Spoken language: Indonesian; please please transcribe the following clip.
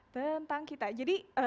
tentang kita jadi